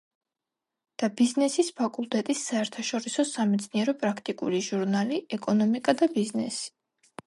და ბიზნესის ფაკულტეტის საერთაშორისო სამეცნიერო-პრაქტიკული ჟურნალი „ეკონომიკა და ბიზნესი“.